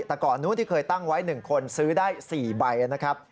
แต่ก่อนนู้นที่เคยตั้งไว้๑คนซื้อได้๔ใบนะครับ